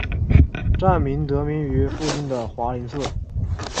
站名得名于附近的华林寺。